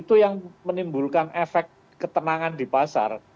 itu yang menimbulkan efek ketenangan di pasar